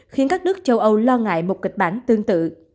khiến các nước châu âu lo ngại một kịch bản tương tự